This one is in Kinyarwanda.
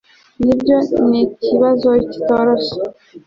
nibyo, nikibazo kitoroshye